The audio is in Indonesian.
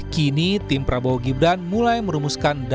kini tim prabowo gibran mulai merumuskan daftar nama nama